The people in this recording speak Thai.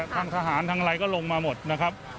ทางทหารทางอะไรก็ลงมาหมดนะครับ